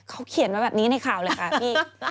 เขาเขียนมาแบบนี้ในข่าวเลยค่ะพี่